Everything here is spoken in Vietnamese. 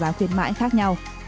giá khuyến mại khác nhau